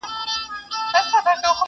o ځوانان د ازادۍ غږ اخبار ته ګوري حيران.